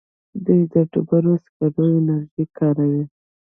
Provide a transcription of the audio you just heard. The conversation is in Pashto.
دوی د ډبرو سکرو انرژي کاروي.